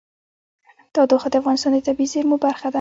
تودوخه د افغانستان د طبیعي زیرمو برخه ده.